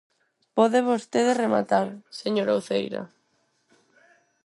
Pode vostede rematar, señora Uceira.